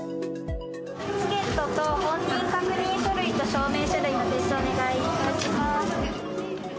チケットと本人確認書類と証明書類の提示をお願いいたします。